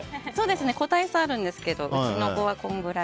個体差あるんですけどうちの子はこれくらい。